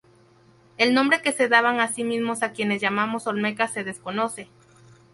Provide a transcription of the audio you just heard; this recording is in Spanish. El nombre que se daban a sí mismos a quienes llamamos olmecas se desconoce.